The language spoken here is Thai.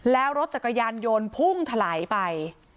แล้วรถจักรยานยนต์พุ่งถลายไป